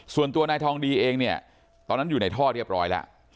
ส่วนตัวนายทองดีเองเนี่ยตอนนั้นอยู่ในท่อเรียบร้อยแล้ว